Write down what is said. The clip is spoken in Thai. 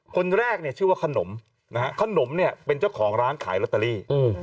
คนแรกเนี่ยชื่อว่าขนมนะฮะขนมเนี่ยเป็นเจ้าของร้านขายลอตเตอรี่